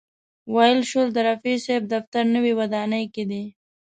ویل شول د رفیع صاحب دفتر نوې ودانۍ کې دی.